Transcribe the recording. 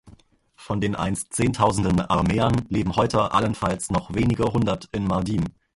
Von den einst zehntausenden Aramäern leben heute allenfalls noch wenige hundert in Mardin.